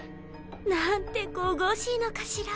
なんて神々しいのかしら。